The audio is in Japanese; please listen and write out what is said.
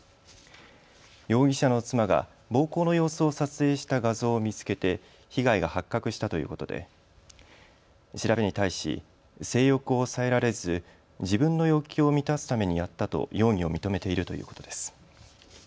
容疑者の妻が暴行の様子を撮影した画像を見つけて被害が発覚したということで調べに対し、性欲を抑えられず自分の欲求を満たすためにやったと容疑を認めているということです。